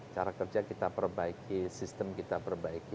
cara kerja kita perbaiki sistem kita perbaiki